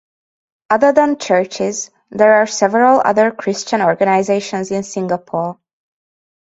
Other than churches, there are several other Christian organisations in Singapore.